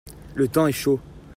le temps est chaud.